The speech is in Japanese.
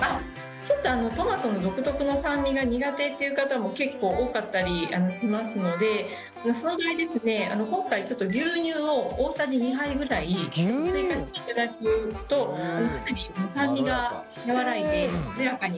ちょっとトマトの独特の酸味が苦手っていう方も結構多かったりしますのでその場合ですね今回ちょっと牛乳を大さじ２杯ぐらい追加していただくとかなり酸味が和らいでまろやかになりますので。